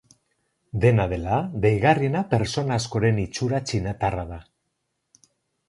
Dena dela, deigarriena pertsona askoren itxura txinatarra da.